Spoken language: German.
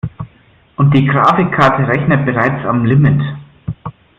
Und die Grafikkarte rechnet bereits am Limit.